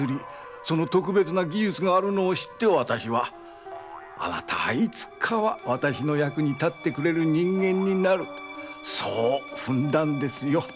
その特別な技術を知って私は「あなたはいつか私の役に立つ人間になる」と踏んだんですよ。